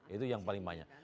itu yang paling banyak